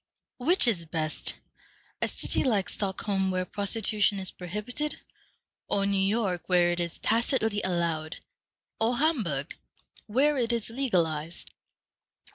Which is best, a city like Stockholm, where prostitution is prohibited, or New York, where it is tacitly allowed, or Hamburg, where it is legalized?"